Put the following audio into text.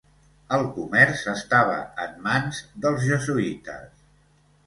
El comerç estava en mans dels jesuïtes.